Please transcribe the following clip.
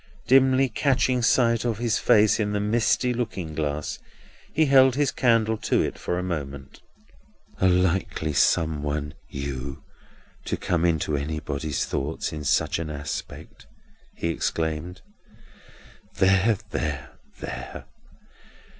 Dimly catching sight of his face in the misty looking glass, he held his candle to it for a moment. "A likely some one, you, to come into anybody's thoughts in such an aspect!" he exclaimed. "There! there! there!